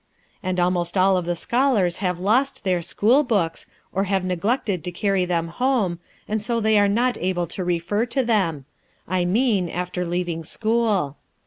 And almost all of the scholars have lost their school books, or have neglected to carry them home, and so they are not able to refer to them, I mean, after leaving school.